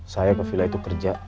saya ke villa itu kerja